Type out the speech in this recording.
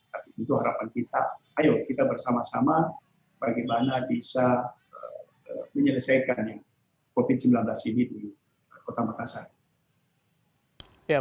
tapi itu harapan kita ayo kita bersama sama bagaimana bisa menyelesaikan covid sembilan belas ini di kota makassar